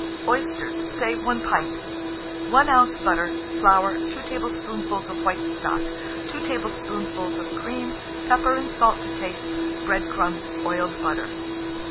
Oysters, say 1 pint, 1 oz. butter, flour, 2 tablespoonfuls of white stock, 2 tablespoonfuls of cream; pepper and salt to taste; bread crumbs, oiled butter.